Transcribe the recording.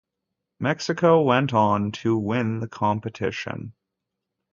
Mexico went on to win the competition.